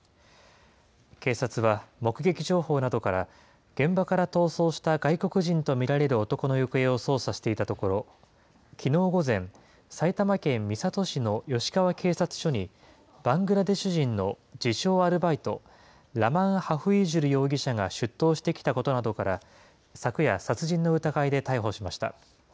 警察は目撃情報などから、現場から逃走した外国人と見られる男の行方を捜査していたところ、きのう午前、埼玉県三郷市の吉川警察署に、バングラデシュ人の自称アルバイト、ラマン・ハフイジュル容疑者が出頭してきたことなどから、昨夜、殺人の疑いで逮捕しました。